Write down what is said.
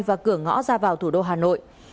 và cửa ngõ ra vào thủ đô hà nội